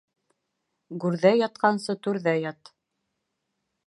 Гүрҙә ятҡансы түрҙә ят.